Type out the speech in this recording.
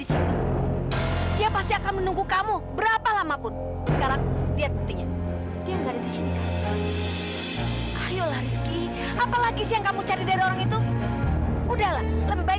sampai jumpa di video selanjutnya